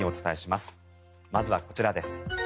まずはこちらです。